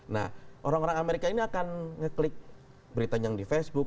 nah orang orang amerika ini akan ngeklik berita yang di facebook